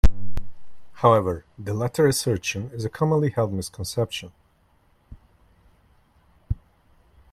However, the latter assertion is a commonly held misconception.